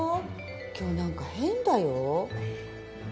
今日何か変だよ？ハハハ。